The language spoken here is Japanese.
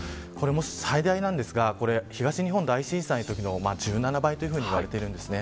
最大の数字ですが東日本大震災の１７倍といわれています。